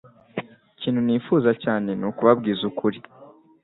ikintu nifuza cyane nuku babwiza ukuri